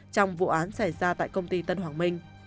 trong vụ án xảy ra tại công ty tân hoàng minh